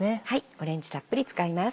オレンジたっぷり使います。